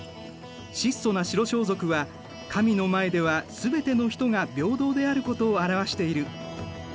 質素な白装束は神の前では全ての人が平等であることを表している。